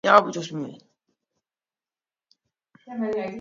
ასეთ გადმონაშთებს იგი მრავლად ხედავდა მისი თანამედროვე ევროპის ხალხთა ყოფაში.